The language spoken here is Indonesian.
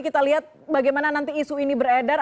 kita lihat bagaimana nanti isu ini beredar